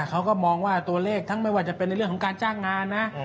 เขาก็มองว่าตัวเลขทั้งไม่ว่าจะเป็นในเรื่องของการจ้างงานนะ